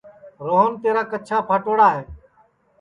روہن تیرا کچھا پھاٹوڑا ہے